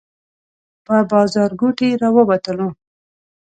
له بازارګوټي راووتلو.